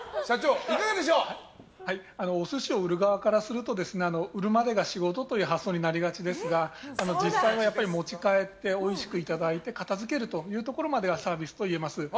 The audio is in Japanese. お寿司を売る側からすると売るまでが仕事という発想になりがちですが実際は、持ち帰っておいしくいただいて片づけるというところまでがサービスといえます。